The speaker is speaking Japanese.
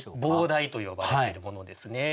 傍題と呼ばれているものですね。